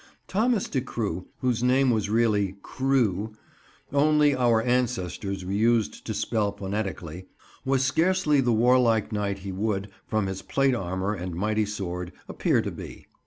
Thomas de Cruwe—whose name was really "Crewe," only our ancestors were used to spell phonetically—was scarcely the warlike knight he would, from his plate armour and mighty sword, appear to be.